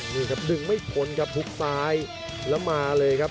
นี่ครับดึงไม่พ้นครับทุบซ้ายแล้วมาเลยครับ